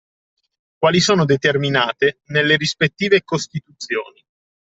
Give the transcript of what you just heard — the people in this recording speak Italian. Quali sono determinate nelle rispettive costituzioni